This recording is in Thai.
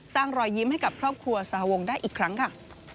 รอยยิ้มให้กับครอบครัวสหวงได้อีกครั้งค่ะ